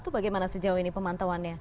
dua satu bagaimana sejauh ini pemantauannya